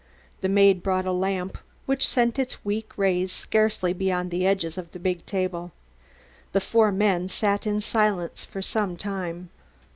The maid brought a lamp, which sent its weak rays scarcely beyond the edges of the big table. The four men sat in silence for some time.